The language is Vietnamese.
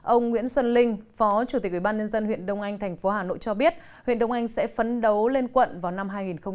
ông nguyễn xuân linh phó chủ tịch ubnd huyện đông anh tp hà nội cho biết huyện đông anh sẽ phấn đấu lên quận vào năm hai nghìn hai mươi